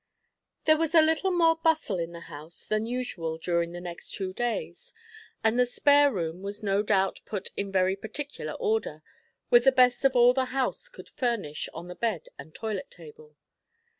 There was a little more bustle in the house than usual during the next two days; and the spare room was no doubt put in very particular order, with the best of all the house could furnish on the bed and toilet table.